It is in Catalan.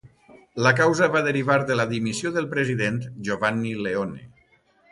La causa va derivar de la dimissió del president Giovanni Leone.